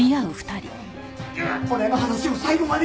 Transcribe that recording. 俺の話を最後まで。